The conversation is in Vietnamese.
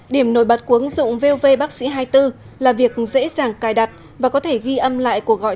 điểm nổi bật của ứng dụng vov bác sĩ hai mươi bốn là việc dễ dàng cài đặt và có thể ghi âm lại cuộc gọi